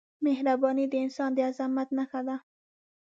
مهرباني د انسان د عظمت نښه ده.